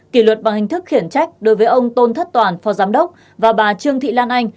kỷ luật bằng hình thức khiển trách đối với ông tôn thất toàn phò giám đốc và bà trương thị lan anh